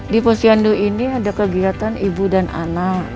di posyandu ini ada kegiatan ibu dan anak